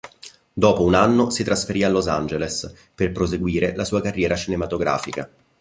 Dopo un anno si trasferì a Los Angeles per proseguire la sua carriera cinematografica.